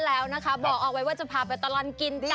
แล้วนะคะบอกเอาไว้ว่าจะพาไปตลอดกินจ้